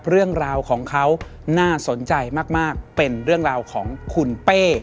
เรื่องราวของเขาน่าสนใจมากเป็นเรื่องราวของคุณเป้